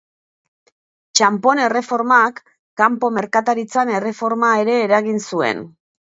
Txanpon erreformak, kanpo merkataritzan erreforma ere eragin zuen.